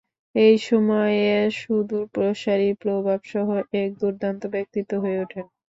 তিনি এই সময়ে সুদূরপ্রসারী প্রভাব সহ এক দুর্দান্ত ব্যক্তিত্ব হয়ে ওঠেন।